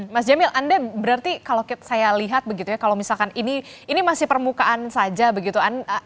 mas jamil anda berarti kalau saya lihat begitu ya kalau misalkan ini masih permukaan saja begitu